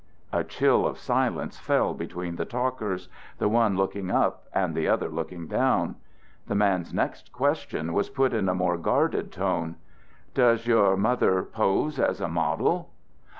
A chill of silence fell between the talkers, the one looking up and the other looking down. The man's next question was put in a more guarded tone: "Does your mother pose as a model?"